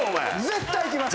絶対いきます！